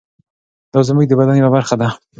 دا زموږ د بدن یوه برخه ده.